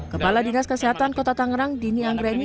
kepala dinas kesehatan kota tangerang dini anggreni